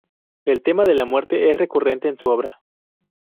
El tema de la Muerte es recurrente en su obra.